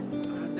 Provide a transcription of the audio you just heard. tak ada bro